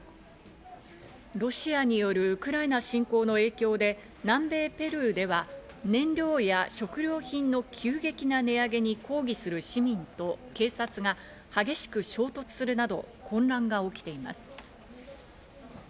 ロシアによるウクライナ侵攻の影響で、南米ペルーでは燃料や食料品の急激な値上げに抗議する市民と警察が激しく衝突するなど混乱が起きています。